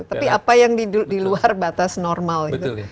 tapi apa yang di luar batas normal itu